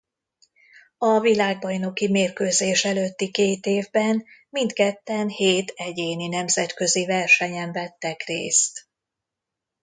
A világbajnoki mérkőzés előtti két évben mindketten hét egyéni nemzetközi versenyen vettek részt.